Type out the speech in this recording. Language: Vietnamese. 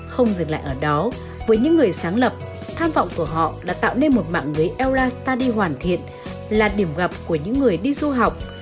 không dừng lại ở đó với những người sáng lập tham vọng của họ đã tạo nên một mạng lưới eula study hoàn thiện là điểm gặp của những người đi du học